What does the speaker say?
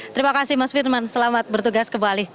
terima kasih mas firman selamat bertugas kembali